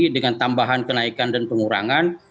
dengan tambahan kenaikan dan pengurangan